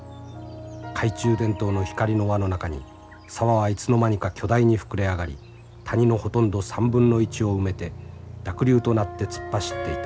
懐中電灯の光の輪の中に沢はいつの間にか巨大に膨れ上がり谷のほとんど３分の１を埋めて濁流となって突っ走っていた。